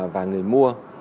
và người mua